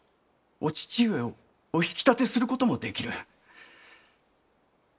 お父上をお引き立てする事もできる。